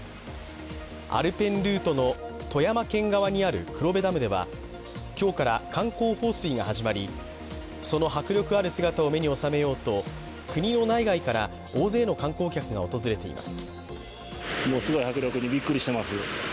アルペンルートの富山県側にある黒部ダムでは今日から観光放水が始まりその迫力ある姿を目に収めようと国の内外から大勢の観光客が訪れています。